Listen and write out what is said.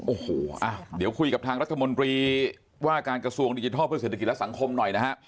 โอ้โหเดี๋ยวคุยกับทางรัฐมนตรีว่าการกระทรวงดิจิทัลเพื่อเศรษฐกิจและสังคมหน่อยนะฮะ